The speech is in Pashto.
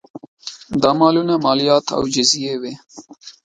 دا مالونه مالیات او جزیې وې